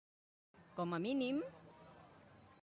Com a mínim.